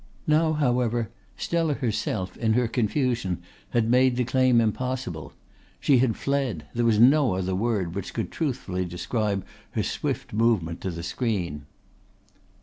Now however Stella herself in her confusion had made the claim impossible. She had fled there was no other word which could truthfully describe her swift movement to the screen.